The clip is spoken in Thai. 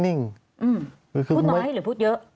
พูดน้อยหรือพูดเยอะ